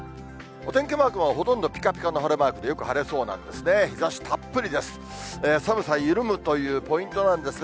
お天気マークはほとんどぴかぴかの晴れマークで、よく晴れそうなんですね。